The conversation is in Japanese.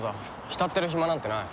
浸ってる暇なんてない。